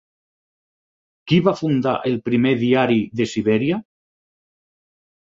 Qui va fundar el primer diari de Sibèria?